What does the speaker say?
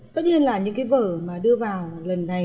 tất nhiên là những vở đưa vào lần này